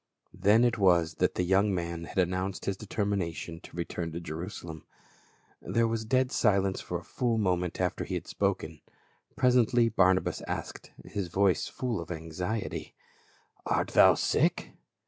Then it was that the )'oung man had announced his determination to return to Jerusalem. There was dead silence for a full moment after he had spoken ; pres ently Barnabas asked — his voice full of anxiety : "Art thou .sick?"